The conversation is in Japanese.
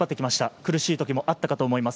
苦しい時もあったと思います。